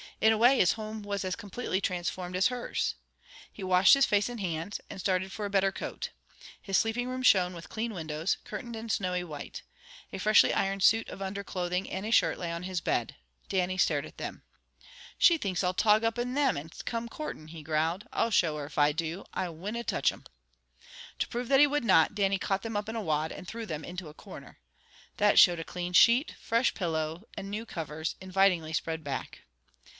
In a way his home was as completely transformed as hers. He washed his face and hands, and started for a better coat. His sleeping room shone with clean windows, curtained in snowy white. A freshly ironed suit of underclothing and a shirt lay on his bed. Dannie stared at them. "She think's I'll tog up in them, and come courtin'" he growled. "I'll show her if I do! I winna touch them!" To prove that he would not, Dannie caught them up in a wad, and threw them into a corner. That showed a clean sheet, fresh pillow, and new covers, invitingly spread back.